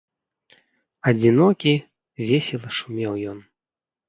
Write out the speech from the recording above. Адзінокі, весела шумеў ён.